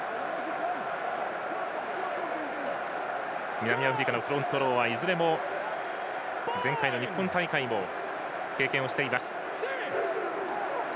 南アフリカのフロントローはいずれも前回の日本大会を経験しています。